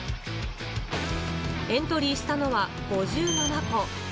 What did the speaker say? エントリーしたのは５７校。